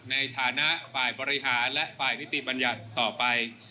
ในฐานะฝ่ายบริหารและฝ่ายนิติบัญญัติต่อไป